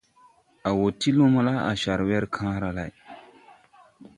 A wo ti lumo la, a car wer kããra lay.